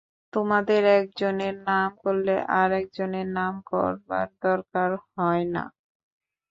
তোমাদের একজনের নাম করলে আর-একজনের নাম করবার দরকার হয় না।